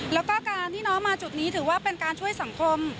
แล้วก็การที่น้องมาจุดนี้ถือว่าเป็นการช่วยสังคม